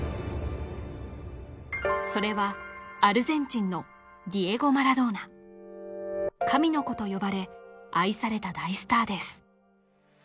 それはアルゼンチンのディエゴ・マラドーナ神の子と呼ばれ愛された大スターです